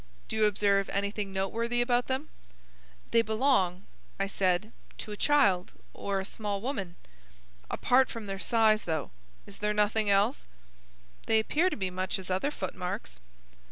"Do you observe anything noteworthy about them?" "They belong," I said, "to a child or a small woman." "Apart from their size, though. Is there nothing else?" "They appear to be much as other footmarks."